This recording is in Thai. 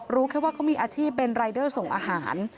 รู้แค่ว่าเขามีอาชีพเป็นรายเดอร์ส่งอาหาร